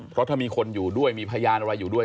เพราะถ้ามีคนอยู่ด้วยมีพยานอะไรอยู่ด้วย